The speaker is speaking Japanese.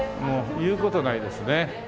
言う事ないですね。